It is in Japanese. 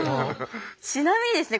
ちなみにですね